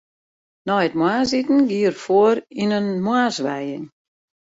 Nei it moarnsiten gie er foar yn in moarnswijing.